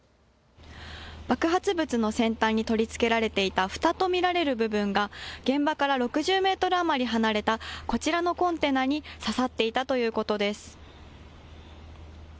爆発物の先端に取り付けられていたふたと見られる部分が現場から６０メートル余り離れたこちらのコンテナに刺さっていたということです。